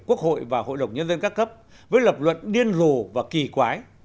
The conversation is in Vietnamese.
quốc hội và hội đồng nhân dân các cấp với lập luận điên rồ và kỳ quái